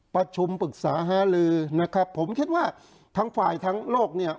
ประชุมปรึกษาหาลือนะครับผมคิดว่าทั้งฝ่ายทั้งโลกเนี่ย